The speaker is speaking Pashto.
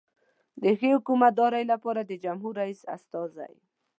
د ښې حکومتدارۍ لپاره د جمهور رئیس استازی.